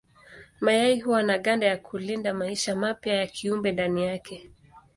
Mayai huwa na ganda ya kulinda maisha mapya ya kiumbe ndani yake.